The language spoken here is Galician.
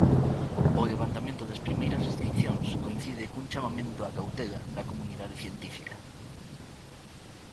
O levantamento das primeiras restricións coincide cun chamamento á cautela da comunidade científica.